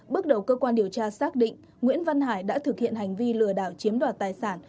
bước đầu cơ quan điều tra xác định nguyễn văn hải đã thực hiện hành vi lừa đảo chiếm đoạt tài sản